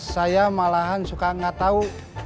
saya malahan suka nggak tahu